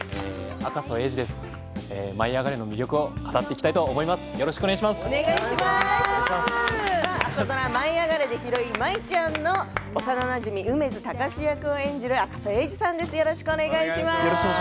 朝ドラ「舞いあがれ！」で舞ちゃんの幼なじみ梅津貴司役を演じる赤楚衛二さんです。